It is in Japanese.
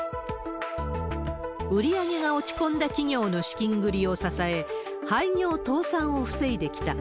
売り上げが落ち込んだ企業の資金繰りを支え、廃業、倒産を防いできた。